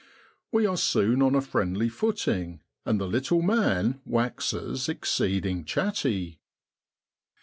We are soon on a friendly footing, and the little man waxes exceeding chatty.